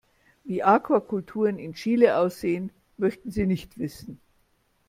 Wie Aquakulturen in Chile aussehen, möchten Sie nicht wissen.